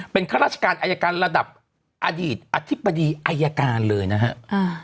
เป็นข้าราชการอายการระดับอดีตอธิบดีอายการเลยนะฮะ